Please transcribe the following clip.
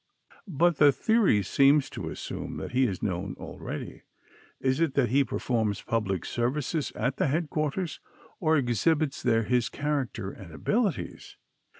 "But the theory seems to assume that he is known already. Is it that he performs public services at the headquarters, or exhibits there his character and abilities?